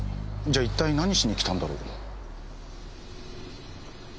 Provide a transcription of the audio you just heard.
じゃあ一体何しに来たんだろう？